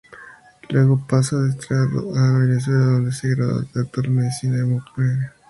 Y luego pasa desterrado a Venezuela, donde se gradúa de doctor en medicina homeopática.